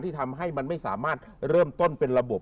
ทำให้มันไม่สามารถเริ่มต้นเป็นระบบ